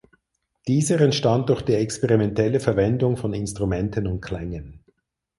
Dieser entstand durch die experimentelle Verwendung von Instrumenten und Klängen.